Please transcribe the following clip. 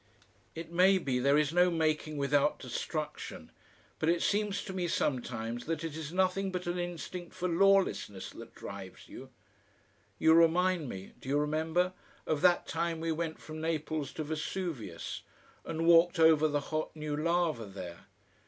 It may be there is no making without destruction, but it seems to me sometimes that it is nothing but an instinct for lawlessness that drives you. You remind me do you remember? of that time we went from Naples to Vesuvius, and walked over the hot new lava there.